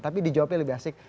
tapi dijawabnya lebih asik